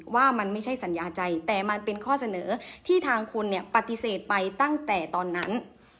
ว่ามันไม่ใช่สัญญาใจแต่มันเป็นข้อเสนอที่ทางคุณเนี่ยปฏิเสธไปตั้งแต่ตอนนั้น